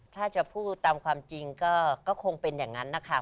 ถ้าจะพูดตามความจริงก็คงเป็นอย่างนั้นนะคะ